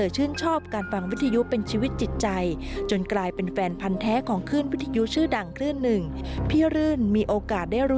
เจาะประเด็นจากรายงานของคุณบงกฎช่วยนิ่มครับ